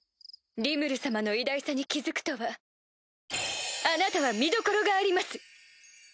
リムル様の偉大さに気付くとはあなたは見どころがあります。